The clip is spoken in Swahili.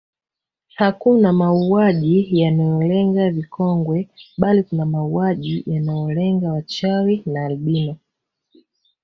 Hakuna mauaji yanayolenga vikongwe bali kuna mauaji yanayolenga wachawi na albino